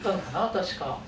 確か。